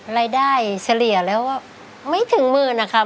เฉลี่ยแล้วไม่ถึงหมื่นนะคะ